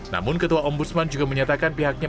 namun ketua ong budsman juga menyatakan pihaknya